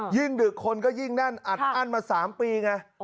ดึกคนก็ยิ่งแน่นอัดอั้นมา๓ปีไง